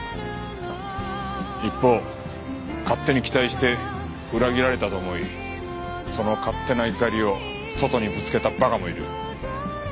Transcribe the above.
一方勝手に期待して裏切られたと思いその勝手な怒りを外にぶつけたバカもいる。